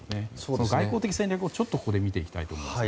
その外交的戦略を見ていきたいと思います。